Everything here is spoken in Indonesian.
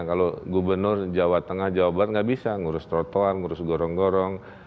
kalau gubernur jawa tengah jawa barat nggak bisa ngurus trotoar ngurus gorong gorong